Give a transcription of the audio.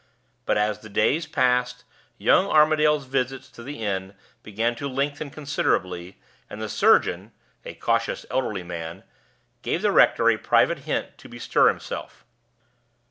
But as the days passed, young Armadale's visits to the inn began to lengthen considerably, and the surgeon (a cautious elderly man) gave the rector a private hint to bestir himself.